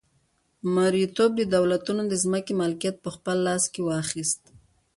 مرئیتوب دولتونو د ځمکې مالکیت په خپل لاس کې واخیست.